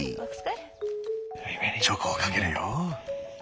チョコをかけるよ。